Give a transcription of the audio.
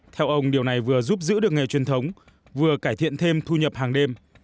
theo ông điều này vừa giúp giữ được nghề truyền thống vừa cải thiện thêm thu nhập hàng đêm